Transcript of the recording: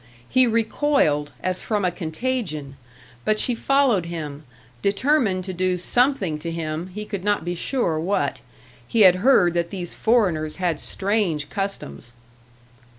He recoiled, as from a contagion; but she followed him, determined to do something to him, he could not be sure what. He had heard that these foreigners had strange customs!